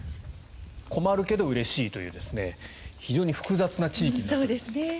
困るけどうれしいという非常に複雑な地域。